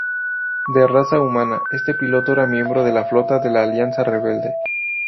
De raza humana, este piloto era miembro de la flota de la Alianza Rebelde.